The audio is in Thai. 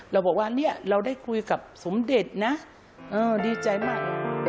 เราบอกว่าเนี่ยเราได้คุยกับสมเด็จนะดีใจมาก